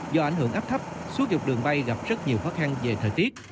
do ảnh hưởng áp thấp xúi dục đường bay gặp rất nhiều khó khăn về thời tiết